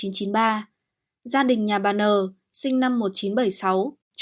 gia đình nhà bà n sinh năm một nghìn chín trăm bảy mươi sáu chú tại điện nam bắc